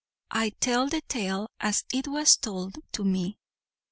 "I tell the tale as 'twas told to me."